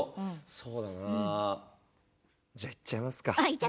そうだなじゃあ、言っちゃいますか。